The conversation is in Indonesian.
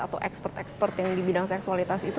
atau ekspert expert yang di bidang seksualitas itu